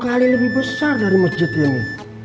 kali lebih besar dari masjid ini